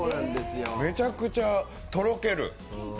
めちゃくちゃとろける。